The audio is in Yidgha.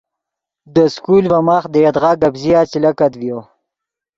دے سکول ڤے ماخ دے یدغا گپ ژیا چے لکت ڤیو